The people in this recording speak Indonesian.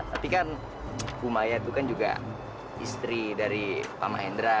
tapi kan bu maya itu kan juga istri dari pak mahendra